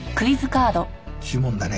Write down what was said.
指紋だね。